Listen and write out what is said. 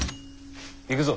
行くぞ。